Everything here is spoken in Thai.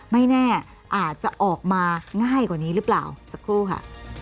ไม่แน่อาจจะออกมาง่ายกว่านี้หรือเปล่าสักครู่ค่ะ